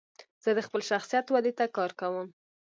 زه د خپل شخصیت ودي ته کار کوم.